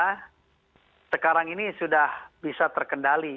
karena sekarang ini sudah bisa terkendalikan